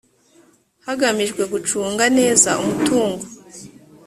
hagamijwe gucunga neza umutungo